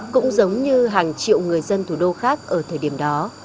cũng giống như hàng triệu người dân thủ đô khác ở thời điểm đó